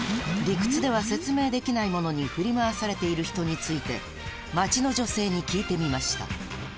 理屈では説明できないものに振り回されている人について街の女性に聞いてみました